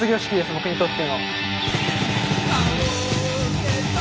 僕にとっての。